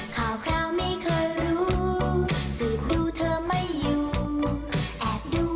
ค่ะขอบคุณค่ะ